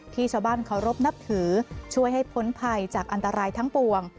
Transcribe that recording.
ที่ชาวบ้านเคารพนับถือช่วยให้พ้นภัยจากอันตรายทั้งปวง